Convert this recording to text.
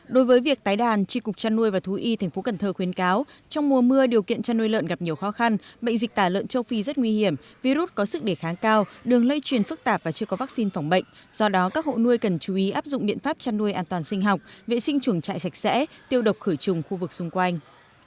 đối với việc tái đàn tri cục trăn nuôi và thú y thành phố cần thơ khuyến cáo trong mùa mưa điều kiện chăn nuôi lợn gặp nhiều khó khăn bệnh dịch tả lợn châu phi rất nguy hiểm virus có sức đề kháng cao đường lây truyền phức tạp và chưa có vaccine phòng bệnh do đó các hộ nuôi cần chú ý áp dụng biện pháp chăn nuôi an toàn sinh học vệ sinh chuồng trại sạch sẽ tiêu độc khử trùng khu vực xung quanh